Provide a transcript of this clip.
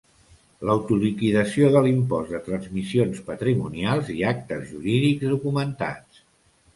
L'autoliquidació de l'impost de transmissions patrimonials i actes jurídics documentats.